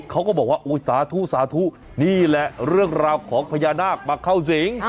เขาก็บอกว่าสาธุสาธุนี่แหละเรื่องราวของพญานาคมาเข้าสิง